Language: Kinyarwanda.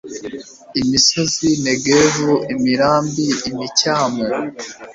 imisozi, negevu, imirambi, imicyamu